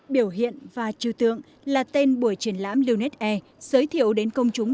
biểu hiện và trừ tượng là tên buổi triển lãm lunas art giới thiệu đến công chúng